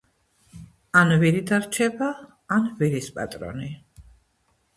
ან ვირი დარჩება, ან ვირის პატრონი